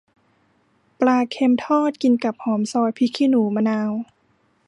ปลาเค็มทอด กินกับหอมซอย พริกขี้หนู มะนาว